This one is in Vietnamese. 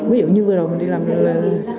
ví dụ như vừa đầu mình đi làm là